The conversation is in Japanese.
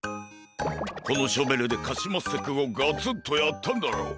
このショベルでカシマッセくんをガツンとやったんだろ。